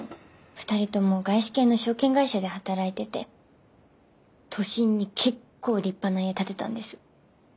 二人とも外資系の証券会社で働いてて都心に結構立派な家建てたんです。